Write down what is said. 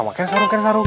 makan sarung makan sarung